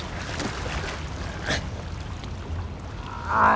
ああ。